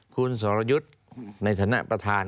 คุณสรยุทธ์ในฐานะประธาน